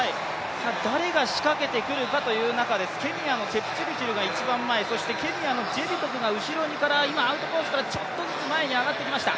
誰が仕掛けてくるかという中です、ケニアのチェプチルチルが一番前、そしてケニアのジェビトクがアウトコースからちょっとずつ前に上がってきました。